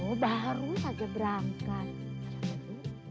oh baru saja berangkat